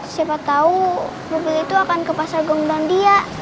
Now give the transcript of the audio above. siapa tahu mobil itu akan ke pasar gondang dia